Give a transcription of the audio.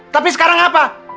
tapi sekarang apa